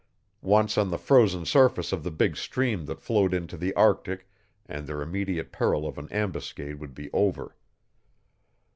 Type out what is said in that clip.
Once on the frozen surface of the big stream that flowed into the Arctic and their immediate peril of an ambuscade would be over.